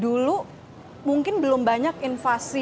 dulu mungkin belum banyak invasi